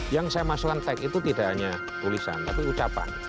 yang saya maksudkan tek itu tidak hanya tulisan tapi ucapan